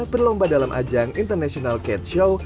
berlomba dalam ajang international cat show